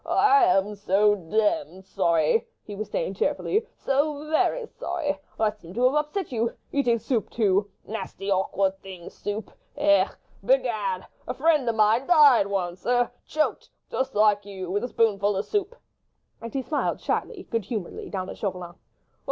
"I am so demmed sorry ..." he was saying cheerfully, "so very sorry ... I seem to have upset you ... eating soup, too ... nasty, awkward thing, soup ... er ... Begad!—a friend of mine died once ... er ... choked ... just like you ... with a spoonful of soup." And he smiled shyly, good humouredly, down at Chauvelin.